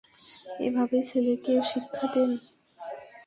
এভাবেই ছেলেকে শিক্ষা দেন?